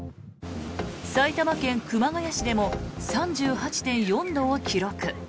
埼玉県熊谷市でも３８．４度を記録。